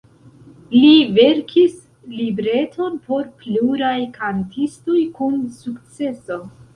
Li verkis libreton por pluraj kantistoj kun sukceso.